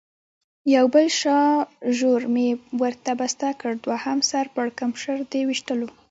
یو بل شاژور مې ورته بسته کړ، دوهم سر پړکمشر د وېشتلو.